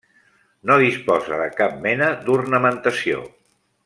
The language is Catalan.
No disposa de cap mena d'ornamentació.